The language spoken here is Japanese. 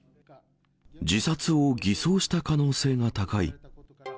自殺を偽装した可能性が高い。